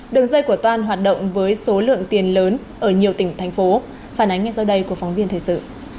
đường dây của toan hoạt động với số lượng tiền lớn ở nhiều tỉnh thành phố phản ánh ngay sau đây của phóng viên thời sự